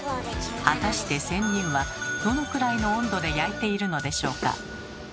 果たして仙人はどのくらいの温度で焼いているのでしょうか。